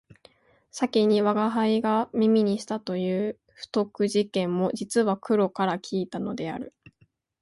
先に吾輩が耳にしたという不徳事件も実は黒から聞いたのである